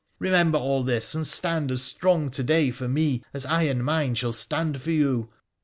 Eemember all this, and stand as strong to day for me as I and mine shall stand for you.